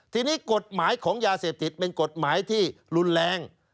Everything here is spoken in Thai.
ทีนี้กฎหมายของยาเสพติดเป็นกฎหมายที่รุนแรง